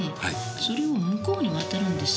それを向こうに渡るんです。